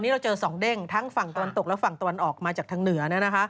และช่องเบ็บตะวันตกและฝั่งตะวันออกมาจากฝั่งเหนือ